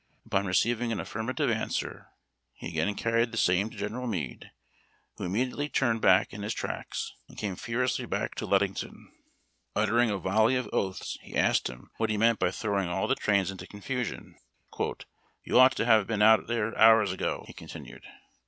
Upon receiving an affirmative answer, he again carried the same to General Meade, who immediately turned back in his tracks, and came furiously back to Ludington. Uttering a volley of oaths, he asked him what he meant by 372 HARD TACK AND COFFEE. throwing all tlie trains into confusion. "You ought to have been out of here hours ago !" he continued.